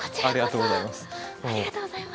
ありがとうございます。